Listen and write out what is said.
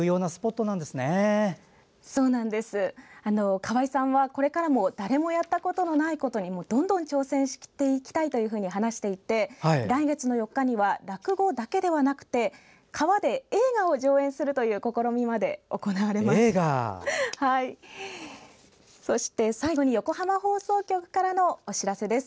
川井さんは、これからも誰もやったことのないことにもどんどん挑戦していきたいと話していて来月４日には落語だけではなくて川で映画を上映するという試みまで行われます。